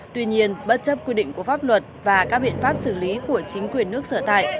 tuy nhiên bất chấp quy định của pháp luật và các biện pháp xử lý của chính quyền nước sở tại